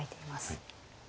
はい。